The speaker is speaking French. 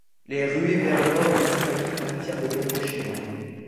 Les ruées vers l'or en Australie attirent de nombreux Chinois.